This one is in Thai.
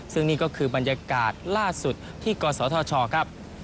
ซึ่งนี่ก็คือบรรยากาศล่าสุดที่กศธชครับ